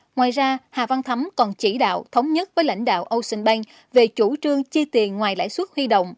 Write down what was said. ngoài ra hà văn thấm còn chỉ đạo thống nhất với lãnh đạo ocean bank về chủ trương chi tiền ngoài lãi suất huy động